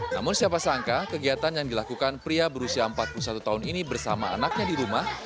namun siapa sangka kegiatan yang dilakukan pria berusia empat puluh satu tahun ini bersama anaknya di rumah